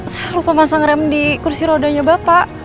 saya lupa masang rem di kursi rodanya bapak